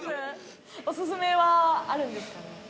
お薦めはあるんですかね？